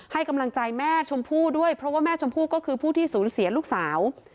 ให้กำลังใจแม่ชมพู่ด้วยเพราะว่าแม่ชมพู่ก็คือผู้ที่สูญเสียลูกสาว